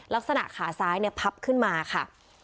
ลักษณะขาซ้ายเนี่ยพับขึ้นมาค่ะ